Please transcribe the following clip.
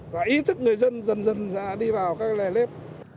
và ý thức người dân dần dần đã đi vào các lẻ lếp